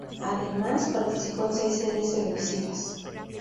Además, participó en seis series televisivas.